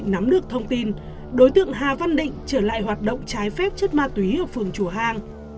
năm hai nghìn một mươi chín đơn vị nắm được thông tin đối tượng hà văn định trở lại hoạt động trái phép chất ma túy ở phường chùa hàng